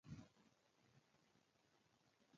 که د شک زړي وکرئ د تلقین قانون هغه جذبوي